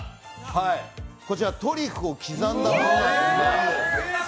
こちらトリュフを刻んだものです。